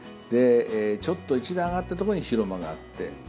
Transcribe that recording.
ちょっと一段上がった所に広間があって。